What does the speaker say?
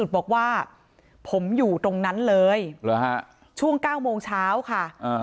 บอกว่าผมอยู่ตรงนั้นเลยแหละฮะชวง๙โมงเช้าค่ะอ่า